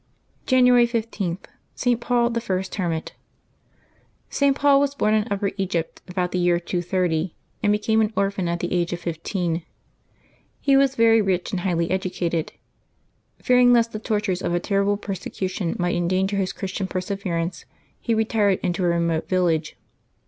jANtiABY 15] LIVES OF THE SAINTS 37 January 15. ST. PAUL, the First Hermit. [t. Paul was born in Upper Egypt, about the year 230, and became an orphan at the age of fifteen. He was very rich and highly educated. Fearing lest the tortures of a terrible persecution might endanger his Christian perseverance, he retired into a remote village.